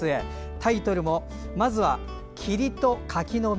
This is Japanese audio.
タイトルもまずは「霧と柿の実」。